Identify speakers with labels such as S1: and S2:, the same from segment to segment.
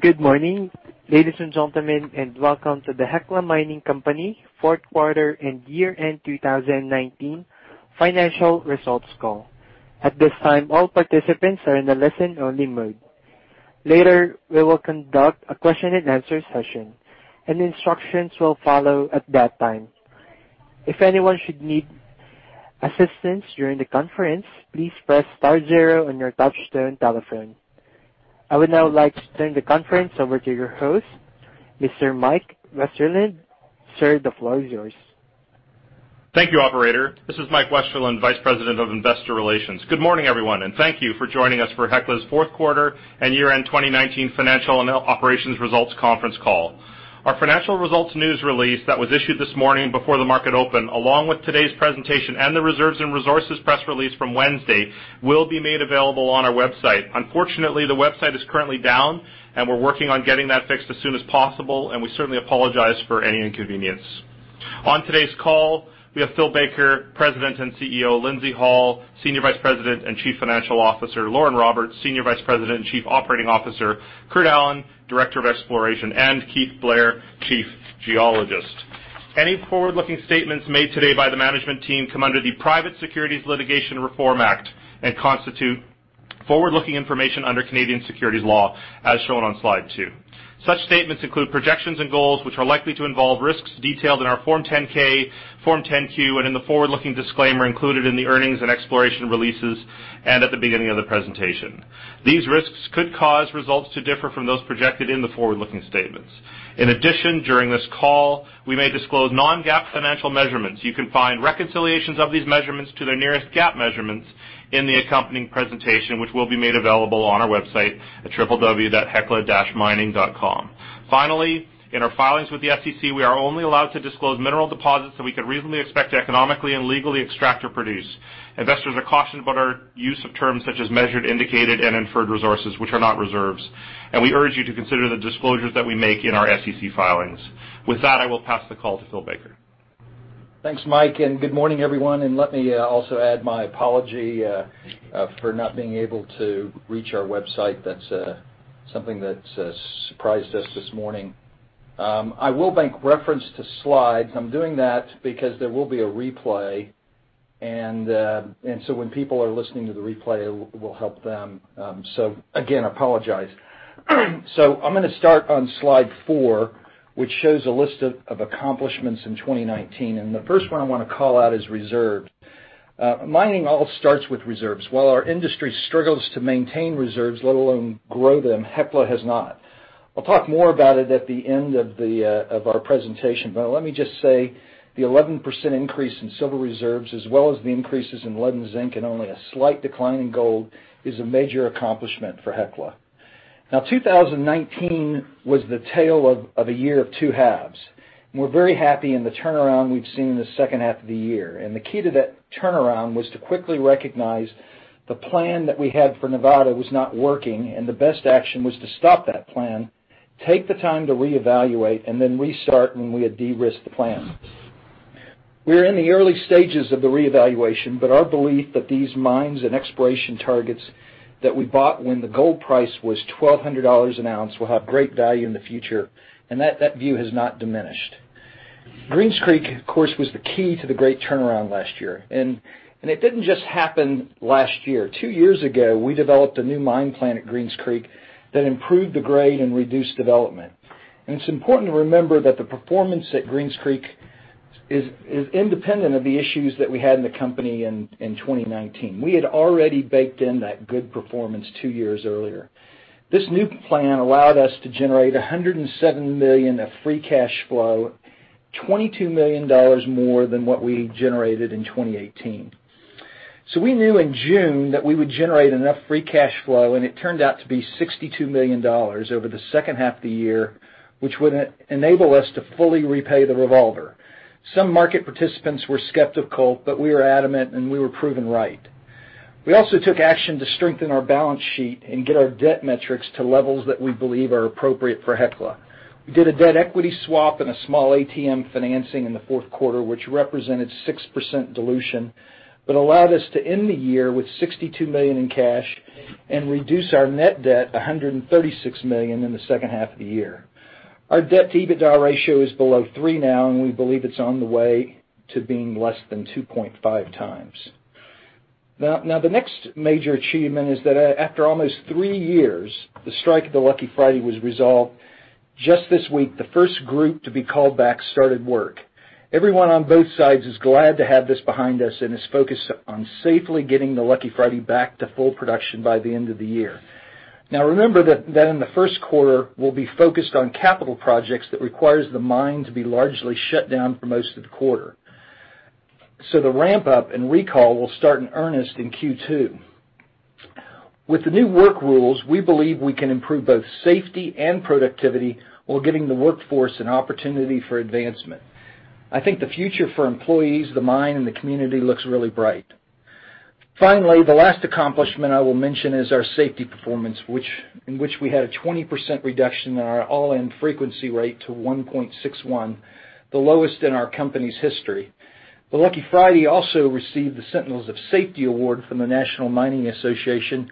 S1: Good morning, ladies and gentlemen, and welcome to the Hecla Mining Company fourth quarter and year-end 2019 financial results call. At this time, all participants are in a listen-only mode. Later, we will conduct a question and answer session, and instructions will follow at that time. If anyone should need assistance during the conference, please press star zero on your touchtone telephone. I would now like to turn the conference over to your host, Mr. Mike Westerlund. Sir, the floor is yours.
S2: Thank you, operator. This is Mike Westerlund, Vice President of Investor Relations. Good morning, everyone, and thank you for joining us for Hecla's fourth quarter and year-end 2019 financial and operations results conference call. Our financial results news release that was issued this morning before the market opened, along with today's presentation and the reserves and resources press release from Wednesday, will be made available on our website. Unfortunately, the website is currently down, and we're working on getting that fixed as soon as possible, and we certainly apologize for any inconvenience. On today's call, we have Phil Baker, President and CEO, Lindsay Hall, Senior Vice President and Chief Financial Officer, Lauren Roberts, Senior Vice President and Chief Operating Officer, Kurt Allen, Director of Exploration, and Keith Blair, Chief Geologist. Any forward-looking statements made today by the management team come under the Private Securities Litigation Reform Act and constitute forward-looking information under Canadian securities law, as shown on slide two. Such statements include projections and goals, which are likely to involve risks detailed in our Form 10-K, Form 10-Q, and in the forward-looking disclaimer included in the earnings and exploration releases and at the beginning of the presentation. These risks could cause results to differ from those projected in the forward-looking statements. In addition, during this call, we may disclose non-GAAP financial measurements. You can find reconciliations of these measurements to their nearest GAAP measurements in the accompanying presentation, which will be made available on our website at www.hecla-mining.com. Finally, in our filings with the SEC, we are only allowed to disclose mineral deposits that we could reasonably expect to economically and legally extract or produce. Investors are cautioned about our use of terms such as measured, indicated, and inferred resources, which are not reserves, and we urge you to consider the disclosures that we make in our SEC filings. With that, I will pass the call to Phil Baker.
S3: Thanks, Mike, and good morning, everyone. Let me also add my apology for not being able to reach our website. That's something that surprised us this morning. I will make reference to slides. I'm doing that because there will be a replay, and so when people are listening to the replay, it will help them. Again, apologize. I'm going to start on slide four, which shows a list of accomplishments in 2019. The first one I want to call out is reserves. Mining all starts with reserves. While our industry struggles to maintain reserves, let alone grow them, Hecla has not. I'll talk more about it at the end of our presentation, but let me just say the 11% increase in silver reserves, as well as the increases in lead and zinc and only a slight decline in gold, is a major accomplishment for Hecla. Now, 2019 was the tale of a year of two halves. We're very happy in the turnaround we've seen in the second half of the year. The key to that turnaround was to quickly recognize the plan that we had for Nevada was not working, and the best action was to stop that plan, take the time to reevaluate, and then restart when we had de-risked the plan. We are in the early stages of the reevaluation, but our belief that these mines and exploration targets that we bought when the gold price was $1,200 an ounce will have great value in the future, and that view has not diminished. Greens Creek, of course, was the key to the great turnaround last year. It didn't just happen last year. Two years ago, we developed a new mine plan at Greens Creek that improved the grade and reduced development. It's important to remember that the performance at Greens Creek is independent of the issues that we had in the company in 2019. We had already baked in that good performance two years earlier. This new plan allowed us to generate $107 million of free cash flow, $22 million more than what we generated in 2018. We knew in June that we would generate enough free cash flow, and it turned out to be $62 million over the second half of the year, which would enable us to fully repay the revolver. Some market participants were skeptical, but we were adamant, and we were proven right. We also took action to strengthen our balance sheet and get our debt metrics to levels that we believe are appropriate for Hecla. We did a debt equity swap and a small ATM financing in the fourth quarter, which represented 6% dilution, but allowed us to end the year with $62 million in cash and reduce our net debt $136 million in the second half of the year. Our debt-to-EBITDA ratio is below three now, and we believe it's on the way to being less than 2.5x. Now, the next major achievement is that after almost three years, the strike at the Lucky Friday was resolved. Just this week, the first group to be called back started work. Everyone on both sides is glad to have this behind us and is focused on safely getting the Lucky Friday back to full production by the end of the year. Remember that in the first quarter, we'll be focused on capital projects that requires the mine to be largely shut down for most of the quarter. The ramp-up and recall will start in earnest in Q2. With the new work rules, we believe we can improve both safety and productivity while giving the workforce an opportunity for advancement. I think the future for employees, the mine, and the community looks really bright. The last accomplishment I will mention is our safety performance, in which we had a 20% reduction in our all-injury frequency rate to 1.61, the lowest in our company's history. The Lucky Friday also received the Sentinels of Safety award from the National Mining Association,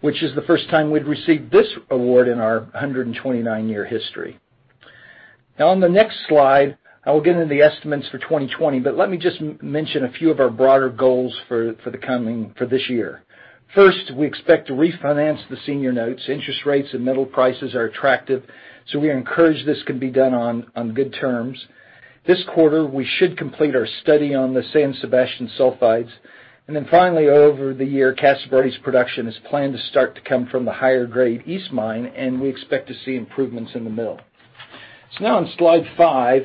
S3: which is the first time we'd received this award in our 129-year history. On the next slide, I will get into the estimates for 2020, but let me just mention a few of our broader goals for this year. First, we expect to refinance the senior notes. Interest rates and metal prices are attractive, we are encouraged this can be done on good terms. This quarter, we should complete our study on the San Sebastian sulfides. Finally, over the year, Casa Berardi's production is planned to start to come from the higher-grade East Mine, and we expect to see improvements in the mill. Now on slide five,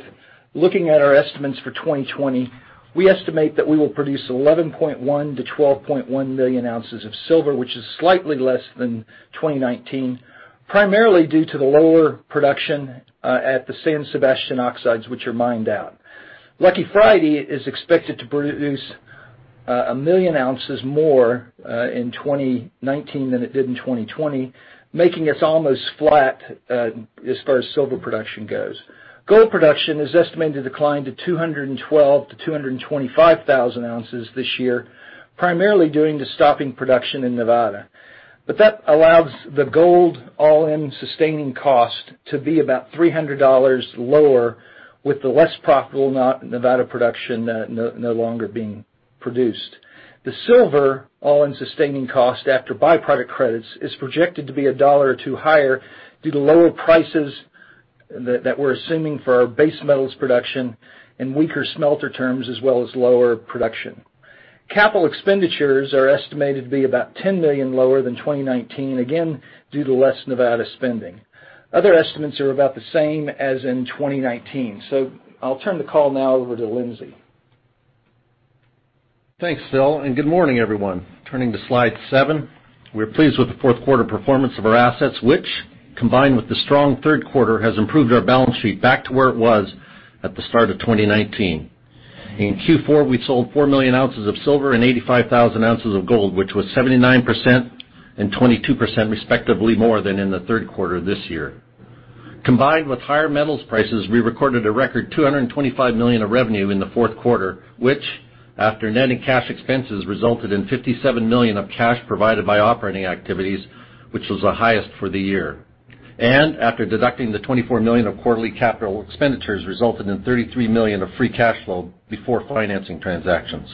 S3: looking at our estimates for 2020, we estimate that we will produce 11.1-12.1 million ounces of silver, which is slightly less than 2019. Primarily due to the lower production at the San Sebastian oxides, which are mined out. Lucky Friday is expected to produce 1 million ounces more in 2019 than it did in 2020, making us almost flat as far as silver production goes. Gold production is estimated to decline to 212,000 to 225,000 ounces this year, primarily due to stopping production in Nevada. That allows the gold all-in sustaining cost to be about $300 lower with the less profitable Nevada production no longer being produced. The silver all-in sustaining cost after byproduct credits is projected to be $1 or $2 higher due to lower prices that we're assuming for our base metals production and weaker smelter terms, as well as lower production. Capital expenditures are estimated to be about $10 million lower than 2019, again due to less Nevada spending. Other estimates are about the same as in 2019. I'll turn the call now over to Lindsay.
S4: Thanks, Phil, and good morning, everyone. Turning to slide seven. We're pleased with the fourth quarter performance of our assets, which, combined with the strong third quarter, has improved our balance sheet back to where it was at the start of 2019. In Q4, we sold 4 million ounces of silver and 85,000 ounces of gold, which was 79% and 22% respectively more than in the third quarter this year. Combined with higher metals prices, we recorded a record $225 million of revenue in the fourth quarter, which, after net and cash expenses, resulted in $57 million of cash provided by operating activities, which was the highest for the year. After deducting the $24 million of quarterly capital expenditures, resulted in $33 million of free cash flow before financing transactions.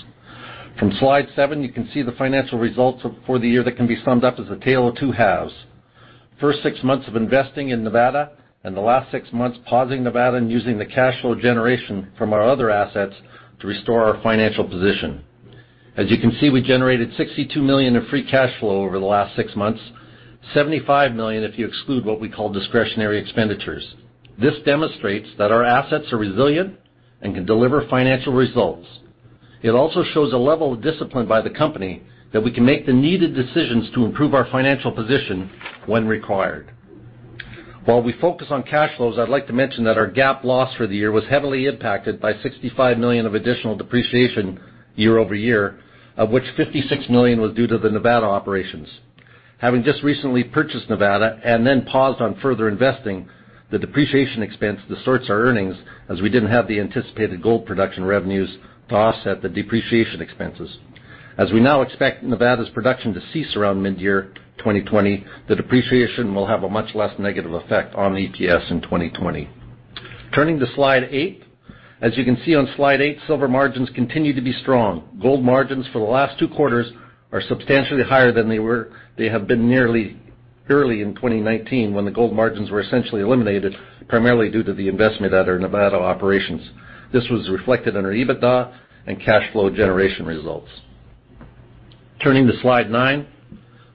S4: From slide seven, you can see the financial results for the year that can be summed up as a tale of two halves. First six months of investing in Nevada, and the last six months pausing Nevada and using the cash flow generation from our other assets to restore our financial position. As you can see, we generated $62 million of free cash flow over the last six months, $75 million if you exclude what we call discretionary expenditures. This demonstrates that our assets are resilient and can deliver financial results. It also shows a level of discipline by the company that we can make the needed decisions to improve our financial position when required. While we focus on cash flows, I'd like to mention that our GAAP loss for the year was heavily impacted by $65 million of additional depreciation year-over-year, of which $56 million was due to the Nevada operations. Having just recently purchased Nevada and then paused on further investing, the depreciation expense distorts our earnings as we didn't have the anticipated gold production revenues to offset the depreciation expenses. As we now expect Nevada's production to cease around mid-year 2020, the depreciation will have a much less negative effect on EPS in 2020. Turning to slide eight. As you can see on slide eight, silver margins continue to be strong. Gold margins for the last two quarters are substantially higher than they have been nearly early in 2019, when the gold margins were essentially eliminated primarily due to the investment at our Nevada operations. This was reflected in our EBITDA and cash flow generation results. Turning to slide nine.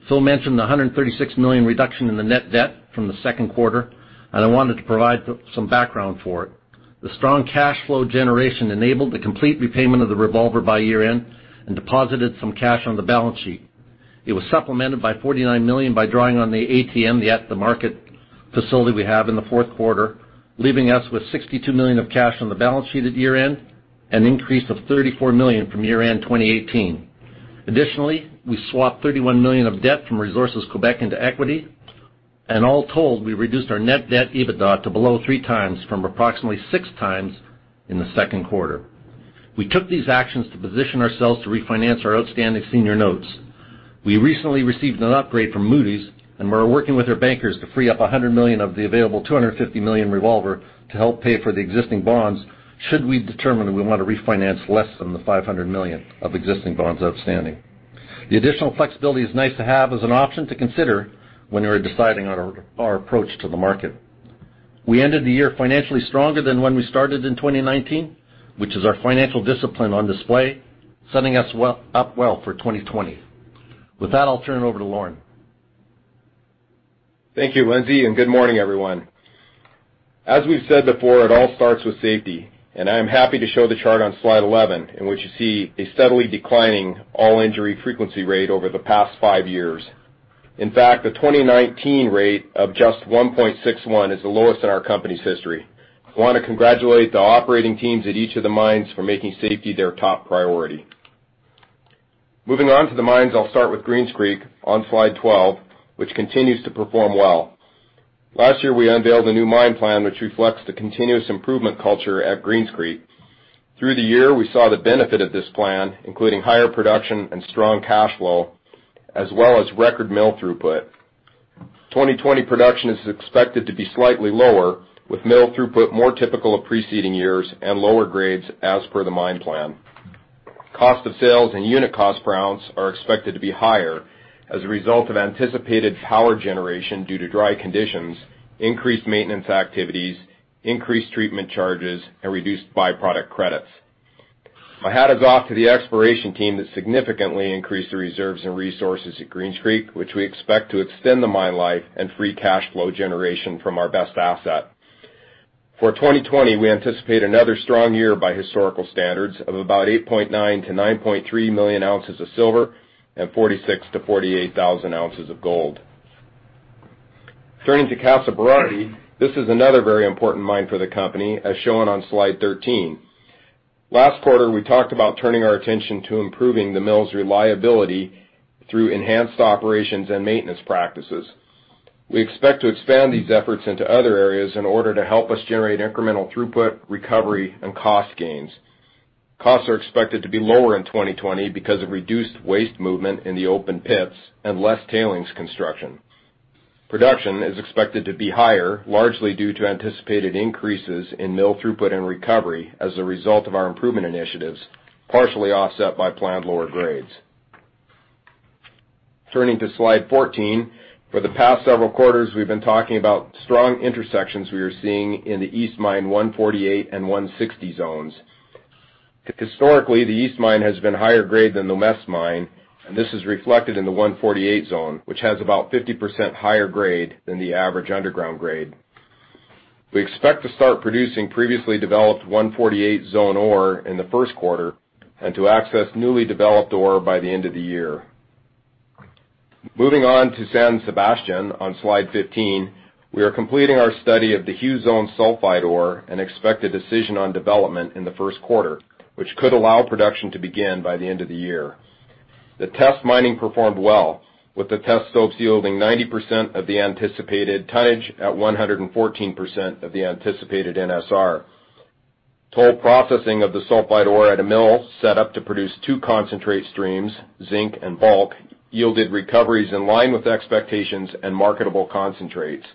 S4: Phil mentioned the $136 million reduction in the net debt from the second quarter. I wanted to provide some background for it. The strong cash flow generation enabled the complete repayment of the revolver by year-end and deposited some cash on the balance sheet. It was supplemented by $49 million by drawing on the ATM, the at-the-market facility we have in the fourth quarter, leaving us with $62 million of cash on the balance sheet at year-end, an increase of $34 million from year-end 2018. Additionally, we swapped $31 million of debt from Ressources Québec into equity, and all told, we reduced our net debt EBITDA to below 3x from approximately 6x in the second quarter. We took these actions to position ourselves to refinance our outstanding senior notes. We recently received an upgrade from Moody's and we're working with our bankers to free up $100 million of the available $250 million revolver to help pay for the existing bonds should we determine we want to refinance less than the $500 million of existing bonds outstanding. The additional flexibility is nice to have as an option to consider when we're deciding on our approach to the market. We ended the year financially stronger than when we started in 2019, which is our financial discipline on display, setting us up well for 2020. With that, I'll turn it over to Lauren.
S5: Thank you, Lindsay, and good morning, everyone. As we've said before, it all starts with safety, and I am happy to show the chart on slide 11, in which you see a steadily declining all-injury frequency rate over the past five years. In fact, the 2019 rate of just 1.61 is the lowest in our company's history. I want to congratulate the operating teams at each of the mines for making safety their top priority. Moving on to the mines, I'll start with Greens Creek on slide 12, which continues to perform well. Last year, we unveiled a new mine plan, which reflects the continuous improvement culture at Greens Creek. Through the year, we saw the benefit of this plan, including higher production and strong cash flow. As well as record mill throughput. 2020 production is expected to be slightly lower, with mill throughput more typical of preceding years and lower grades as per the mine plan. Cost of sales and unit cost per ounce are expected to be higher as a result of anticipated power generation due to dry conditions, increased maintenance activities, increased treatment charges, and reduced byproduct credits. My hat is off to the exploration team that significantly increased the reserves and resources at Greens Creek, which we expect to extend the mine life and free cash flow generation from our best asset. For 2020, we anticipate another strong year by historical standards of about 8.9 million-9.3 million ounces of silver and 46,000-48,000 ounces of gold. Turning to Casa Berardi, this is another very important mine for the company as shown on slide 13. Last quarter, we talked about turning our attention to improving the mill's reliability through enhanced operations and maintenance practices. We expect to expand these efforts into other areas in order to help us generate incremental throughput, recovery, and cost gains. Costs are expected to be lower in 2020 because of reduced waste movement in the open pits and less tailings construction. Production is expected to be higher, largely due to anticipated increases in mill throughput and recovery as a result of our improvement initiatives, partially offset by planned lower grades. Turning to slide 14. For the past several quarters, we've been talking about strong intersections we are seeing in the East Mine 148 and 160 zones. Historically, the East Mine has been higher grade than the West Mine, and this is reflected in the 148 zone, which has about 50% higher grade than the average underground grade. We expect to start producing previously developed 148 zone ore in the first quarter and to access newly developed ore by the end of the year. Moving on to San Sebastian on slide 15, we are completing our study of the Hugh Zone sulfide ore and expect a decision on development in the first quarter, which could allow production to begin by the end of the year. The test mining performed well, with the test stopes yielding 90% of the anticipated tonnage at 114% of the anticipated NSR. Toll processing of the sulfide ore at a mill set up to produce two concentrate streams, zinc and bulk, yielded recoveries in line with expectations and marketable concentrates.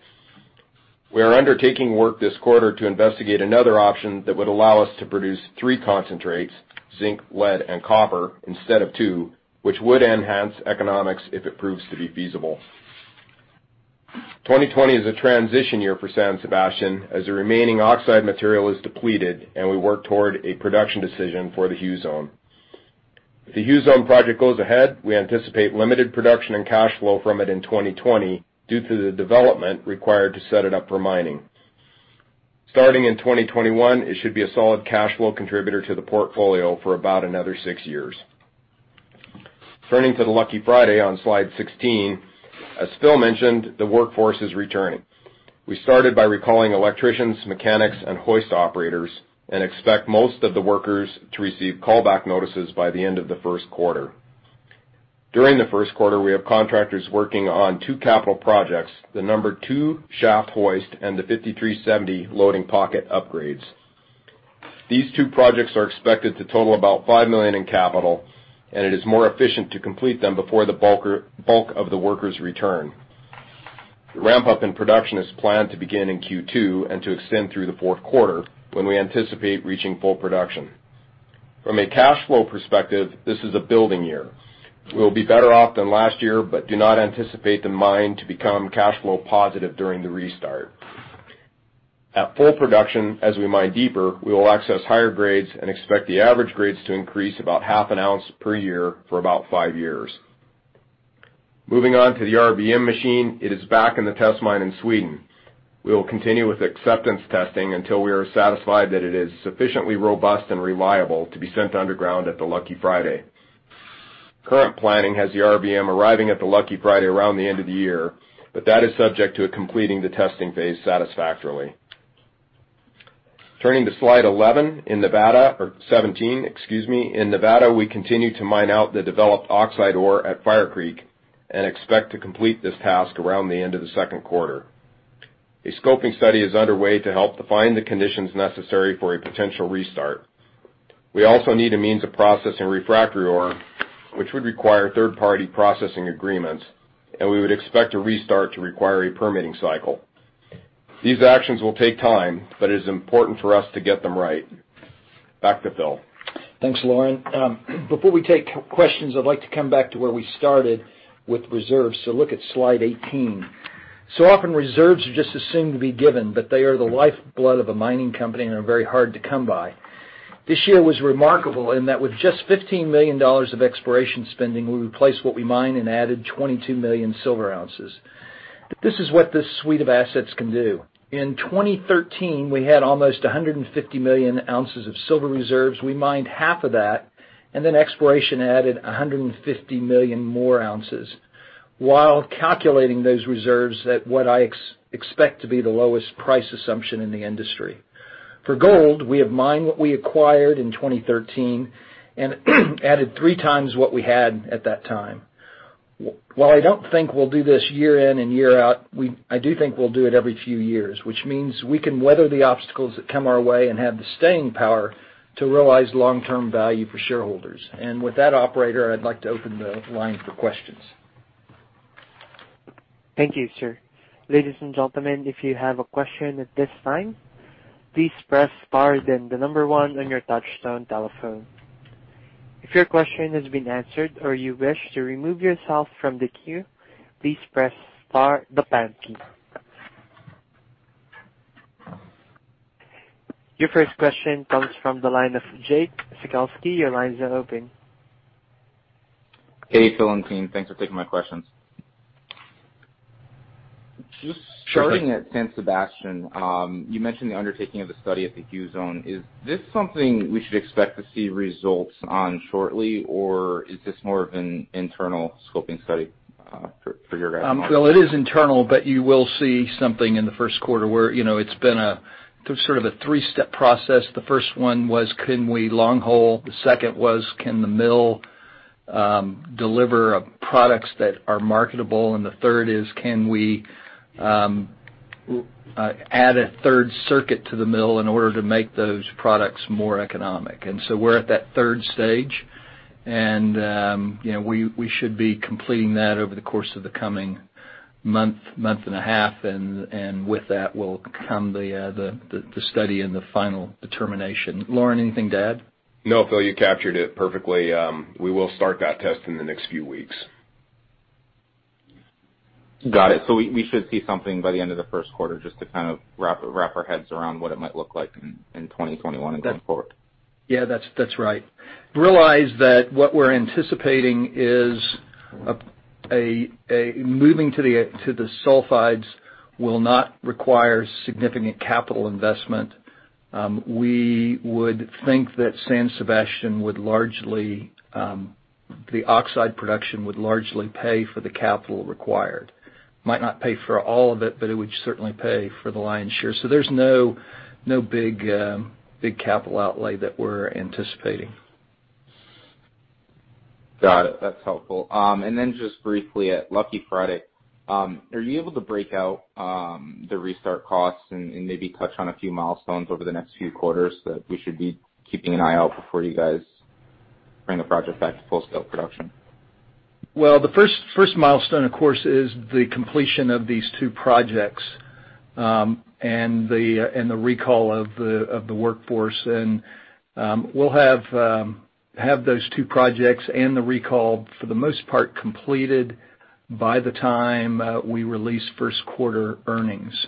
S5: We are undertaking work this quarter to investigate another option that would allow us to produce three concentrates, zinc, lead, and copper, instead of two, which would enhance economics if it proves to be feasible. 2020 is a transition year for San Sebastian, as the remaining oxide material is depleted, and we work toward a production decision for the Hugh Zone. If the Hugh Zone project goes ahead, we anticipate limited production and cash flow from it in 2020 due to the development required to set it up for mining. Starting in 2021, it should be a solid cash flow contributor to the portfolio for about another six years. Turning to the Lucky Friday on slide 16. As Phil mentioned, the workforce is returning. We started by recalling electricians, mechanics, and hoist operators and expect most of the workers to receive callback notices by the end of the first quarter. During the first quarter, we have contractors working on two capital projects, the number two shaft hoist and the 5370 loading pocket upgrades. These two projects are expected to total about $5 million in capital, and it is more efficient to complete them before the bulk of the workers return. The ramp-up in production is planned to begin in Q2 and to extend through the fourth quarter when we anticipate reaching full production. From a cash flow perspective, this is a building year. We'll be better off than last year but do not anticipate the mine to become cash flow positive during the restart. At full production, as we mine deeper, we will access higher grades and expect the average grades to increase about half an ounce per year for about five years. Moving on to the RBM machine. It is back in the test mine in Sweden. We will continue with acceptance testing until we are satisfied that it is sufficiently robust and reliable to be sent underground at the Lucky Friday. Current planning has the RBM arriving at the Lucky Friday around the end of the year, but that is subject to completing the testing phase satisfactorily. Turning to slide 11, in Nevada, or 17, excuse me. In Nevada, we continue to mine out the developed oxide ore at Fire Creek and expect to complete this task around the end of the second quarter. A scoping study is underway to help define the conditions necessary for a potential restart. We also need a means of processing refractory ore, which would require third-party processing agreements, and we would expect a restart to require a permitting cycle. These actions will take time, but it is important for us to get them right. Back to Phil.
S3: Thanks, Lauren. Before we take questions, I'd like to come back to where we started with reserves, so look at slide 18. Often reserves are just assumed to be given, but they are the lifeblood of a mining company and are very hard to come by. This year was remarkable in that with just $15 million of exploration spending, we replaced what we mined and added 22 million silver ounces. This is what this suite of assets can do. In 2013, we had almost 150 million ounces of silver reserves. We mined half of that, exploration added 150 million more ounces while calculating those reserves at what I expect to be the lowest price assumption in the industry. For gold, we have mined what we acquired in 2013 and added three times what we had at that time. While I don't think we'll do this year in and year out, I do think we'll do it every few years, which means we can weather the obstacles that come our way and have the staying power to realize long-term value for shareholders. With that, operator, I'd like to open the line for questions.
S1: Thank you, sir. Ladies and gentlemen, if you have a question at this time, please press star then the number one on your touchtone telephone. If your question has been answered or you wish to remove yourself from the queue, please press star then pound key. Your first question comes from the line of Jake Sekelsky. Your lines are open.
S6: Hey, Phil and team. Thanks for taking my questions. Just starting at San Sebastian, you mentioned the undertaking of the study at the Hugh Zone. Is this something we should expect to see results on shortly, or is this more of an internal scoping study for your guys?
S3: It is internal, but you will see something in the first quarter where it's been a sort of a three-step process. The first one was can we longhole? The second was, can the mill deliver products that are marketable? The third is, can we add a third circuit to the mill in order to make those products more economic? So we're at that third stage, and we should be completing that over the course of the coming month and a half. With that will come the study and the final determination. Lauren, anything to add?
S5: No, Phil, you captured it perfectly. We will start that test in the next few weeks.
S6: Got it. We should see something by the end of the first quarter just to kind of wrap our heads around what it might look like in 2021 and going forward.
S3: Yeah, that's right. Realize that what we're anticipating is moving to the sulfides will not require significant capital investment. We would think that the oxide production would largely pay for the capital required. Might not pay for all of it, but it would certainly pay for the lion's share. There's no big capital outlay that we're anticipating.
S6: Got it. That's helpful. Just briefly at Lucky Friday, are you able to break out the restart costs and maybe touch on a few milestones over the next few quarters that we should be keeping an eye out before you guys bring the project back to full-scale production?
S3: The first milestone, of course, is the completion of these two projects, and the recall of the workforce. We'll have those two projects and the recall for the most part completed by the time we release first quarter earnings.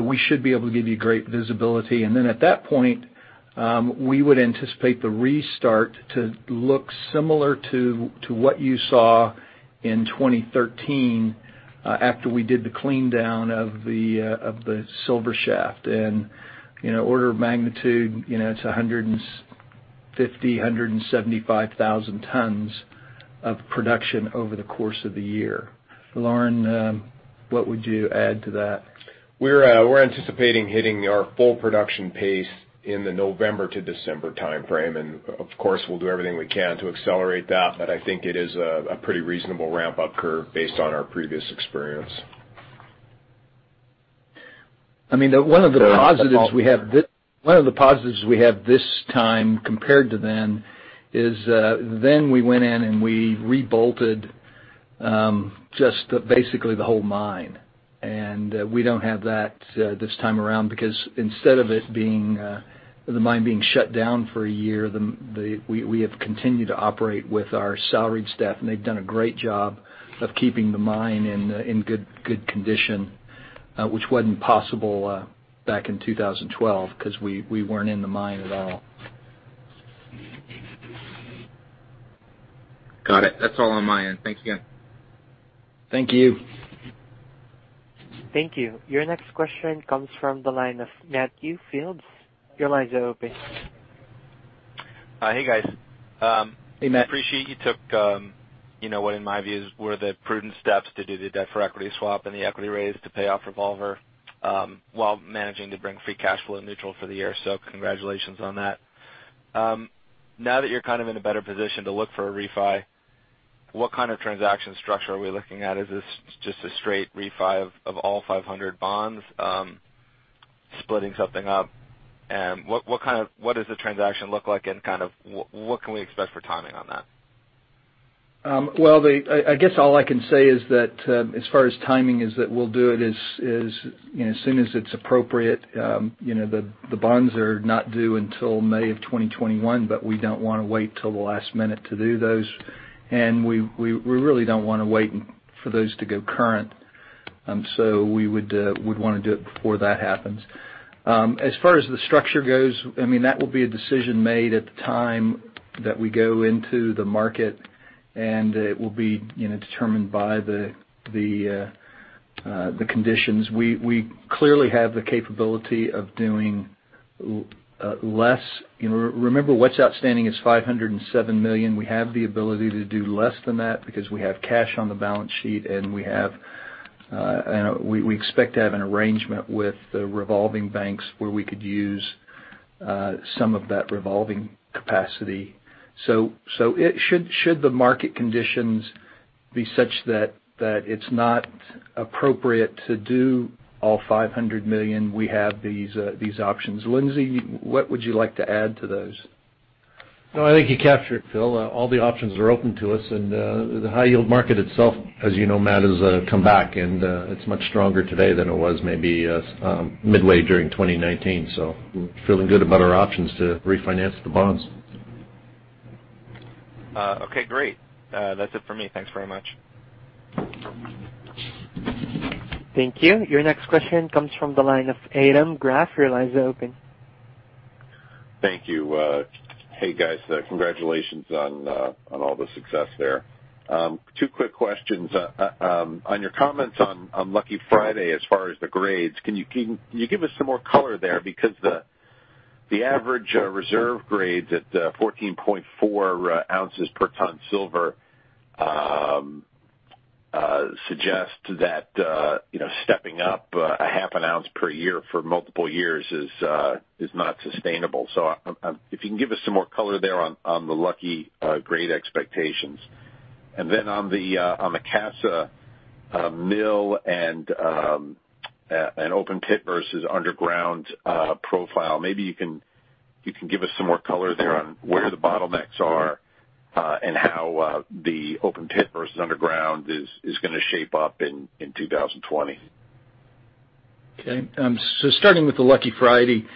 S3: We should be able to give you great visibility. At that point, we would anticipate the restart to look similar to what you saw in 2013 after we did the clean down of the Silver Shaft and order of magnitude, it's 150,000, 175,000 tons of production over the course of the year. Lauren, what would you add to that?
S5: We're anticipating hitting our full production pace in the November to December timeframe, and of course, we'll do everything we can to accelerate that. I think it is a pretty reasonable ramp-up curve based on our previous experience.
S3: One of the positives we have this time compared to then is, then we went in and we rebolted just basically the whole mine. We don't have that this time around because instead of the mine being shut down for a year, we have continued to operate with our salaried staff, and they've done a great job of keeping the mine in good condition, which wasn't possible back in 2012 because we weren't in the mine at all.
S6: Got it. That's all on my end. Thank you again.
S3: Thank you.
S1: Thank you. Your next question comes from the line of Matthew Fields. Your lines are open.
S7: Hey, guys.
S3: Hey, Matt.
S7: Appreciate you took what in my view were the prudent steps to do the debt for equity swap and the equity raise to pay off revolver while managing to bring free cash flow neutral for the year. Congratulations on that. Now that you're kind of in a better position to look for a refi, what kind of transaction structure are we looking at? Is this just a straight refi of all 500 bonds, splitting something up? What does the transaction look like, and kind of what can we expect for timing on that?
S3: Well, I guess all I can say is that as far as timing is that we'll do it as soon as it's appropriate. We don't want to wait till the last minute to do those. We really don't want to wait for those to go current. We would want to do it before that happens. As far as the structure goes, that will be a decision made at the time that we go into the market, and it will be determined by the conditions. We clearly have the capability of doing less. Remember, what's outstanding is $507 million. We have the ability to do less than that because we have cash on the balance sheet, and we expect to have an arrangement with the revolving banks where we could use some of that revolving capacity. Should the market conditions be such that it's not appropriate to do all $500 million, we have these options. Lindsay, what would you like to add to those? No, I think you captured it, Phil. All the options are open to us, the high-yield market itself, as you know, Matt, has come back, and it's much stronger today than it was maybe midway during 2019. We're feeling good about our options to refinance the bonds.
S7: Okay, great. That's it for me. Thanks very much.
S1: Thank you. Your next question comes from the line of Adam Graf. Your line is open.
S8: Thank you. Hey, guys. Congratulations on all the success there. Two quick questions. On your comments on Lucky Friday, as far as the grades, can you give us some more color there? The average reserve grades at 14.4 ounces per ton silver suggest that stepping up a half an ounce per year for multiple years is not sustainable. If you can give us some more color there on the Lucky grade expectations. On the Casa mill and open pit versus underground profile, maybe you can give us some more color there on where the bottlenecks are and how the open pit versus underground is going to shape up in 2020.
S3: Okay. Starting with the Lucky Friday.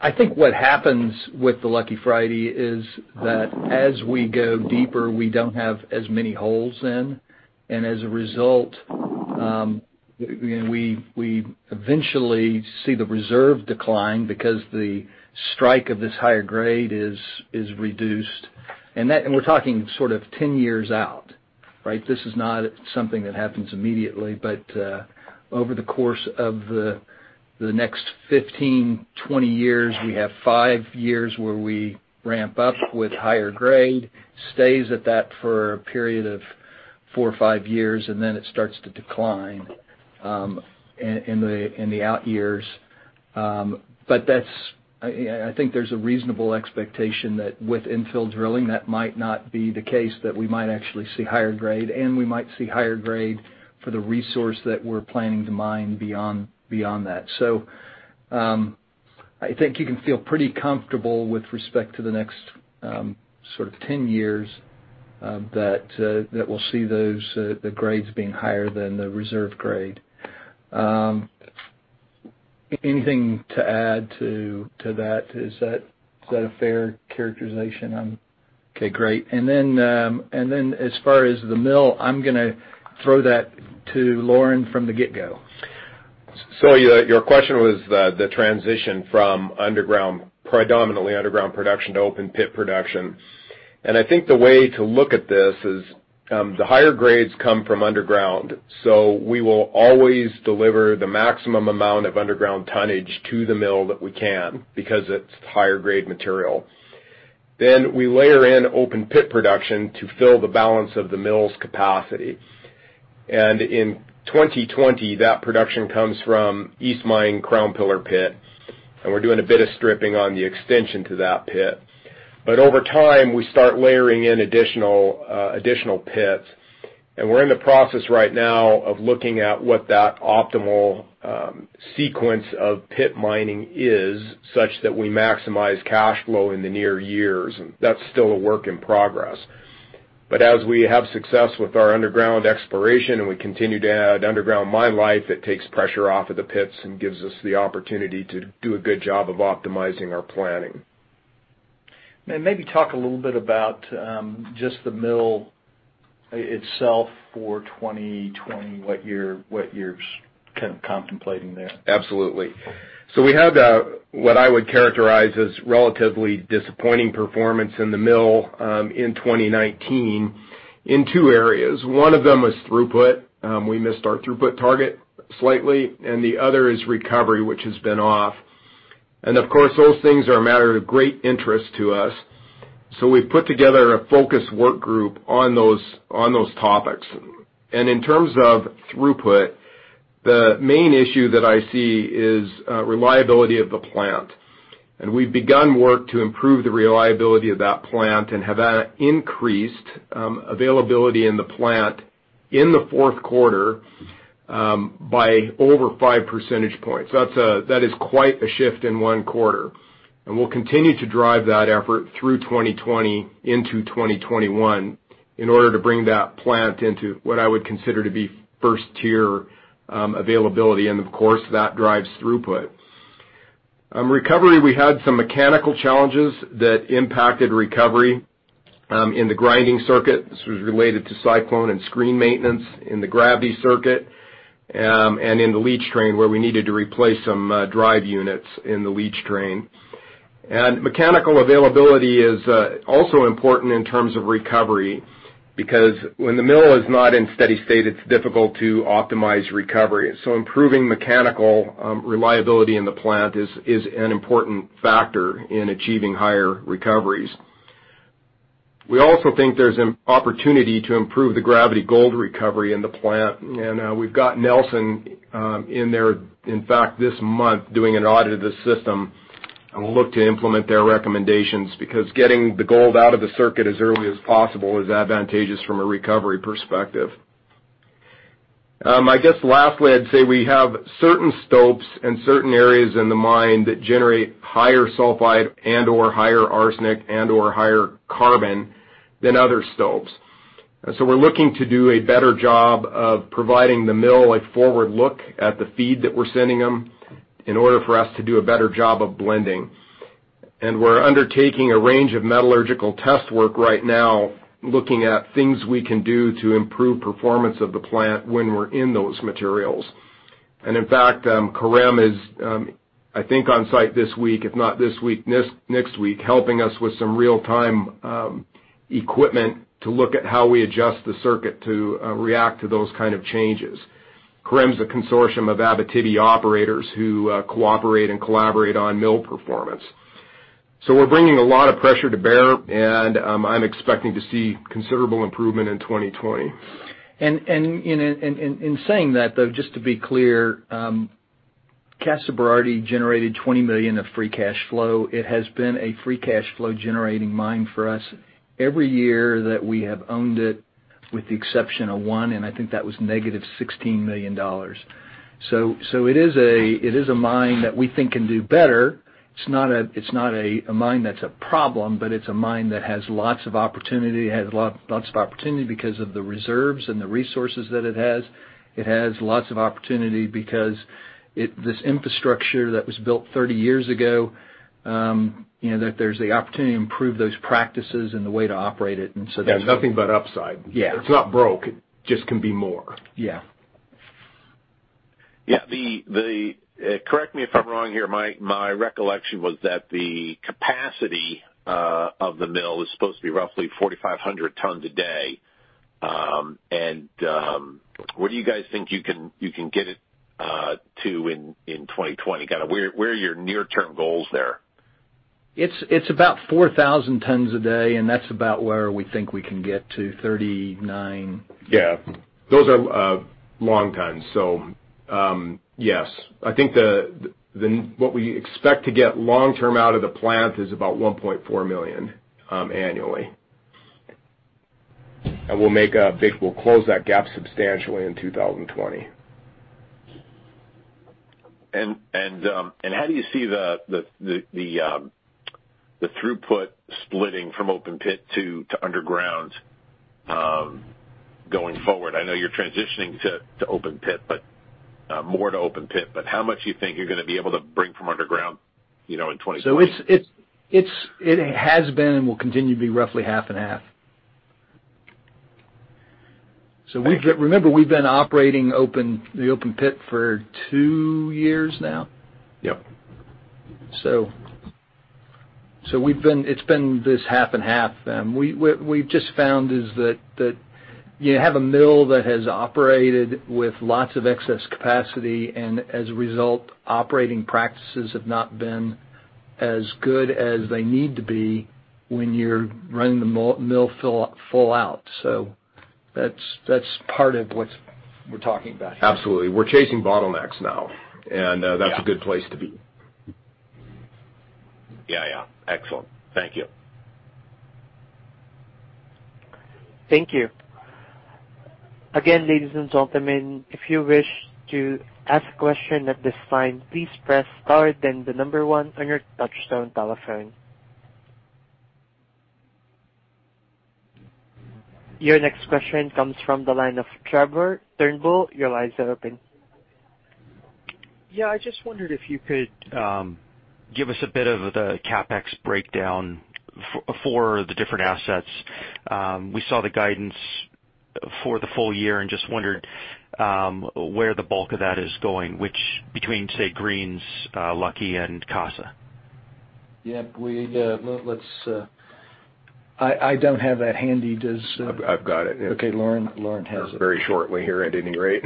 S3: I think what happens with the Lucky Friday is that as we go deeper, we don't have as many holes in, and as a result, we eventually see the reserve decline because the strike of this higher grade is reduced. We're talking sort of 10 years out. This is not something that happens immediately, but over the course of the next 15, 20 years, we have five years where we ramp up with higher grade, stays at that for a period of four or five years, and then it starts to decline in the out years. I think there's a reasonable expectation that with infill drilling, that might not be the case, that we might actually see higher grade, and we might see higher grade for the resource that we're planning to mine beyond that. I think you can feel pretty comfortable with respect to the next sort of 10 years, that we'll see the grades being higher than the reserve grade. Anything to add to that? Is that a fair characterization? Okay, great. As far as the mill, I'm going to throw that to Lauren from the get go.
S5: Your question was the transition from predominantly underground production to open pit production. I think the way to look at this is, the higher grades come from underground. We will always deliver the maximum amount of underground tonnage to the mill that we can because it's higher grade material. We layer in open pit production to fill the balance of the mill's capacity. In 2020, that production comes from East Mine Crown Pillar pit, and we're doing a bit of stripping on the extension to that pit. Over time, we start layering in additional pits, and we're in the process right now of looking at what that optimal sequence of pit mining is such that we maximize cash flow in the near years, and that's still a work in progress. As we have success with our underground exploration and we continue to add underground mine life, it takes pressure off of the pits and gives us the opportunity to do a good job of optimizing our planning.
S3: Maybe talk a little bit about just the mill itself for 2020, what you're kind of contemplating there.
S5: Absolutely. We had what I would characterize as relatively disappointing performance in the mill in 2019 in two areas. One of them was throughput. We missed our throughput target slightly, and the other is recovery, which has been off. Of course, those things are a matter of great interest to us. We've put together a focus work group on those topics. In terms of throughput, the main issue that I see is reliability of the plant. We've begun work to improve the reliability of that plant and have increased availability in the plant in the fourth quarter by over five percentage points. That is quite a shift in one quarter. We'll continue to drive that effort through 2020 into 2021 in order to bring that plant into what I would consider to be 1st-tier availability, and of course, that drives throughput. Recovery, we had some mechanical challenges that impacted recovery in the grinding circuit. This was related to cyclone and screen maintenance in the gravity circuit, and in the leach train, where we needed to replace some drive units in the leach train. Mechanical availability is also important in terms of recovery, because when the mill is not in steady state, it's difficult to optimize recovery. Improving mechanical reliability in the plant is an important factor in achieving higher recoveries. We also think there's an opportunity to improve the gravity gold recovery in the plant, and we've got Knelson in there, in fact, this month, doing an audit of the system, and we'll look to implement their recommendations because getting the gold out of the circuit as early as possible is advantageous from a recovery perspective. I guess lastly, I'd say we have certain stopes and certain areas in the mine that generate higher sulfide and/or higher arsenic and/or higher carbon than other stopes. We're looking to do a better job of providing the mill a forward look at the feed that we're sending them in order for us to do a better job of blending. We're undertaking a range of metallurgical test work right now, looking at things we can do to improve performance of the plant when we're in those materials. In fact, COREM is, I think, on site this week, if not this week, next week, helping us with some real-time equipment to look at how we adjust the circuit to react to those kind of changes. COREM's a consortium of Abitibi operators who cooperate and collaborate on mill performance. We're bringing a lot of pressure to bear, and I'm expecting to see considerable improvement in 2020.
S3: In saying that, though, just to be clear, Casa Berardi generated $20 million of free cash flow. It has been a free cash flow generating mine for us every year that we have owned it, with the exception of one, and I think that was negative $16 million. It is a mine that we think can do better. It is not a mine that is a problem, but it is a mine that has lots of opportunity. It has lots of opportunity because of the reserves and the resources that it has. It has lots of opportunity because this infrastructure that was built 30 years ago, there is the opportunity to improve those practices and the way to operate it.
S5: Yeah, nothing but upside.
S3: Yeah.
S5: It's not broke, it just can be more.
S3: Yeah.
S8: Yeah. Correct me if I'm wrong here. My recollection was that the capacity of the mill is supposed to be roughly 4,500 tons a day. Where do you guys think you can get it to in 2020? Where are your near-term goals there?
S3: It's about 4,000 tons a day, and that's about where we think we can get to, 39.
S8: Yeah.
S5: Those are long tons. Yes. I think what we expect to get long term out of the plant is about 1.4 million annually. We'll close that gap substantially in 2020.
S8: How do you see the throughput splitting from open pit to underground, going forward? I know you're transitioning to open pit, more to open pit, but how much do you think you're going to be able to bring from underground in 2020?
S3: It has been and will continue to be roughly half and half.
S8: Okay.
S3: Remember, we've been operating the open pit for two years now.
S5: Yep.
S3: It's been this half and half. What we've just found is that you have a mill that has operated with lots of excess capacity, and as a result, operating practices have not been as good as they need to be when you're running the mill full out. That's part of what we're talking about here.
S5: Absolutely. We're chasing bottlenecks now, and that's a good place to be.
S8: Yeah. Excellent. Thank you.
S1: Thank you. Again, ladies and gentlemen, if you wish to ask a question at this time, please press star then the number one on your touchtone telephone. Your next question comes from the line of Trevor Turnbull. Your line is open.
S9: Yeah. I just wondered if you could give us a bit of the CapEx breakdown for the different assets. We saw the guidance for the full-year. Just wondered where the bulk of that is going, between, say, Greens, Lucky and Casa.
S3: Yeah. I don't have that handy.
S5: I've got it.
S3: Okay. Lauren has it.
S5: Very shortly here at any rate.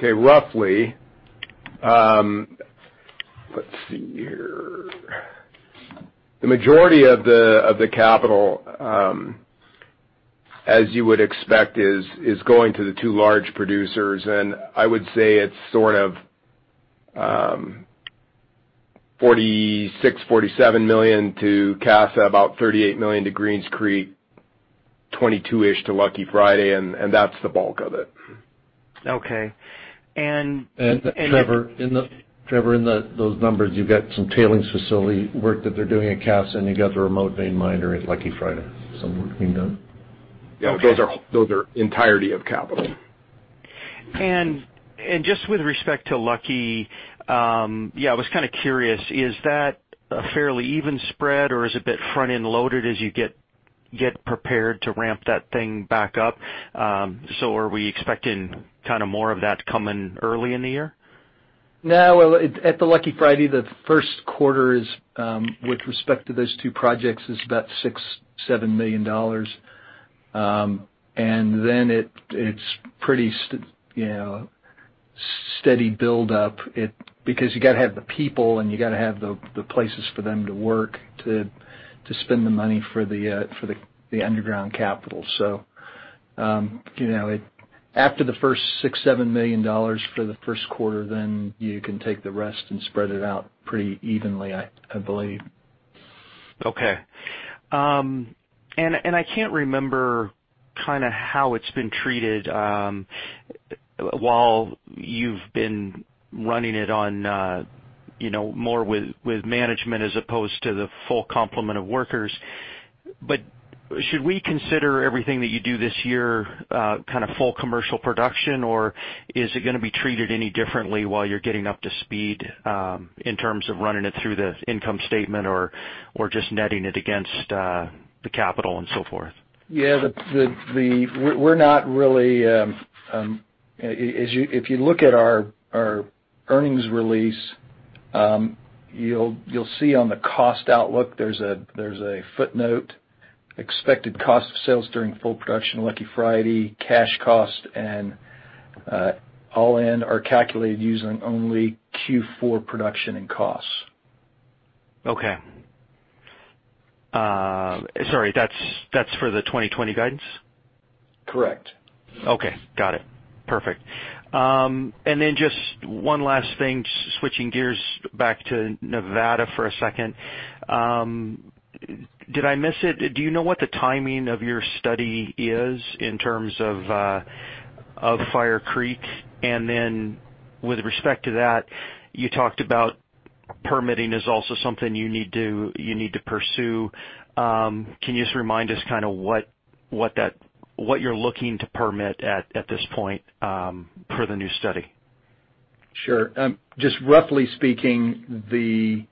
S5: Okay. Roughly Let's see here. The majority of the capital, as you would expect, is going to the two large producers, and I would say it's sort of $46 million, $47 million to Casa, about $38 million to Greens Creek, $22-ish to Lucky Friday, and that's the bulk of it.
S9: Okay.
S5: Trevor, in those numbers, you've got some tailings facility work that they're doing at Casa, and you've got the remote vein miner at Lucky Friday, some work being done.
S9: Okay.
S5: Yeah. Those are entirety of capital.
S9: Just with respect to Lucky, I was kind of curious, is that a fairly even spread, or is it a bit front-end loaded as you get prepared to ramp that thing back up? Are we expecting more of that coming early in the year?
S3: No. At the Lucky Friday, the first quarter is, with respect to those two projects, is about $6 million, $7 million. Then it's pretty steady build-up, because you got to have the people, and you got to have the places for them to work to spend the money for the underground capital. After the first $6 million, $7 million for the first quarter, then you can take the rest and spread it out pretty evenly, I believe.
S9: Okay. I can't remember how it's been treated while you've been running it on more with management as opposed to the full complement of workers. Should we consider everything that you do this year kind of full commercial production, or is it going to be treated any differently while you're getting up to speed in terms of running it through the income statement or just netting it against the capital and so forth?
S3: Yeah. If you look at our earnings release, you'll see on the cost outlook, there's a footnote, expected cost of sales during full production, Lucky Friday, Cash cost, and All-in are calculated using only Q4 production and costs.
S9: Okay. Sorry, that's for the 2020 guidance?
S3: Correct.
S9: Okay. Got it. Perfect. Just one last thing, switching gears back to Nevada for a second. Did I miss it? Do you know what the timing of your study is in terms of Fire Creek? With respect to that, you talked about permitting is also something you need to pursue. Can you just remind us what you're looking to permit at this point for the new study?
S3: Sure. Just roughly speaking, the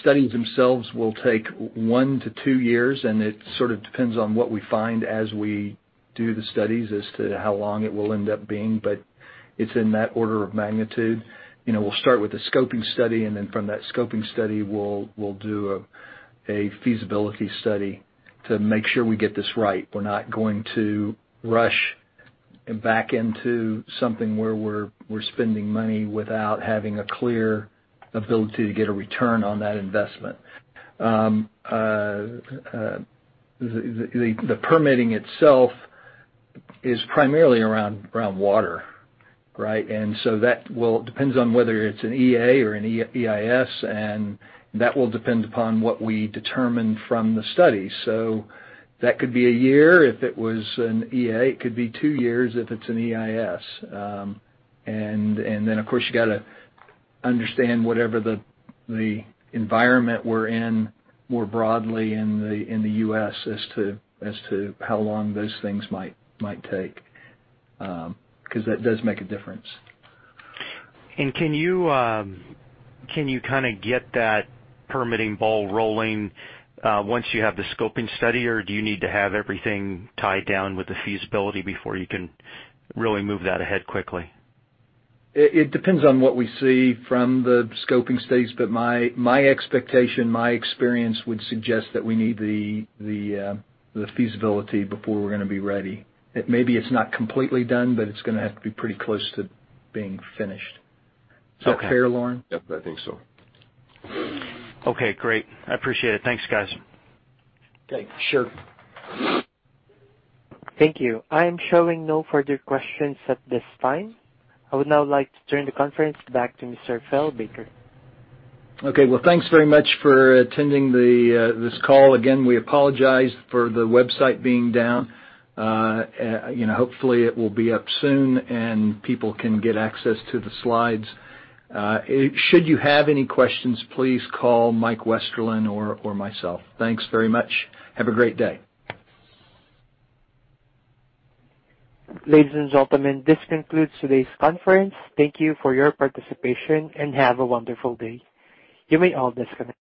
S3: studies themselves will take one to two years, and it sort of depends on what we find as we do the studies as to how long it will end up being, but it's in that order of magnitude. We'll start with a scoping study. From that scoping study, we'll do a feasibility study to make sure we get this right. We're not going to rush back into something where we're spending money without having a clear ability to get a return on that investment. The permitting itself is primarily around water. Right? That depends on whether it's an EA or an EIS, and that will depend upon what we determine from the study. That could be a year if it was an EA, it could be two years if it's an EIS. Of course, you got to understand whatever the environment we're in more broadly in the U.S. as to how long those things might take, because that does make a difference.
S9: Can you kind of get that permitting ball rolling once you have the scoping study, or do you need to have everything tied down with the feasibility before you can really move that ahead quickly?
S3: It depends on what we see from the scoping studies, but my expectation, my experience would suggest that we need the feasibility before we're going to be ready. Maybe it's not completely done, but it's going to have to be pretty close to being finished.
S9: Okay.
S3: Is that fair, Lauren?
S5: Yep, I think so.
S9: Okay, great. I appreciate it. Thanks, guys.
S3: Okay, sure.
S1: Thank you. I am showing no further questions at this time. I would now like to turn the conference back to Mr. Baker.
S3: Okay. Well, thanks very much for attending this call. Again, we apologize for the website being down. Hopefully, it will be up soon, and people can get access to the slides. Should you have any questions, please call Mike Westerlund or myself. Thanks very much. Have a great day.
S1: Ladies and gentlemen, this concludes today's conference. Thank you for your participation, and have a wonderful day. You may all disconnect.